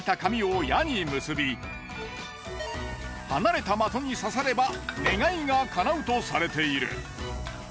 離れた的に刺されば願いがかなうとされている。